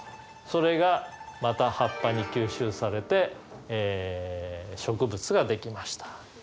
それがまた葉っぱに吸収されて植物が出来ました。